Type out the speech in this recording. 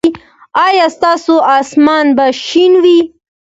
ایا ستاسو اسمان به شین وي؟